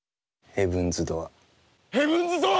ヘブンズ・ドアー！